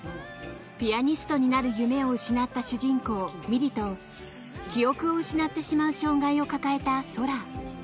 ピアニストになる夢を失った主人公・美璃と記憶を失ってしまう障害を抱えた空。